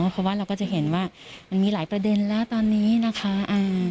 เพราะว่าเราก็จะเห็นว่ามันมีหลายประเด็นแล้วตอนนี้นะคะ